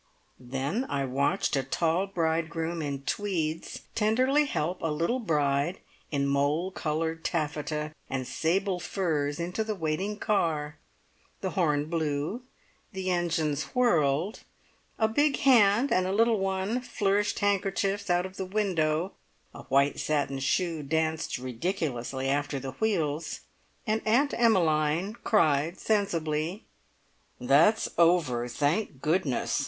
Then I watched a tall bridegroom in tweeds tenderly help a little bride in mole coloured taffeta and sable furs into the waiting car, the horn blew, the engines whirled, a big hand and a little one flourished handkerchiefs out of the window, a white satin shoe danced ridiculously after the wheels, and Aunt Emmeline cried sensibly: "That's over, thank goodness!